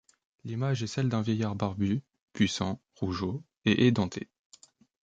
L'image est celle d'un vieillard barbu, puissant, rougeaud et édenté.